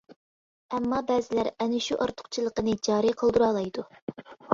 ئەمما بەزىلەر ئەنە شۇ ئارتۇقچىلىقىنى جارى قىلدۇرالايدۇ.